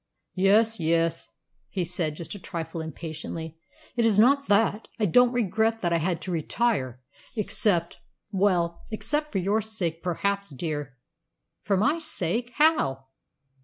"Yes, yes," he said, just a trifle impatiently. "It is not that. I don't regret that I had to retire, except well, except for your sake perhaps, dear." "For my sake! How?"